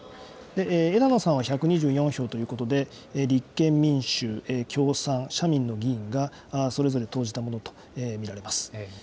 枝野さんは１２４票ということで、立憲民主、共産、社民の議員がそれぞれ投じたものと見られます。